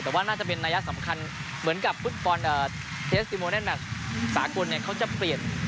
แต่ว่าน่าจะเป็นนัยสำคัญเหมือนกับสาวคุณเนี้ยเขาจะเปลี่ยน